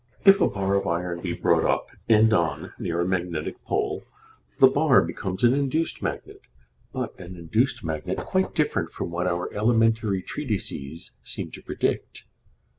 If a bar of iron be brought up, end on, near a magnetic pole, the bar becomes an induced magnet, but an induced magnet quite different from what our elementary treatises seem to predict.